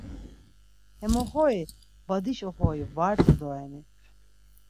Hem oxori badişi oxori var t̆u doreni!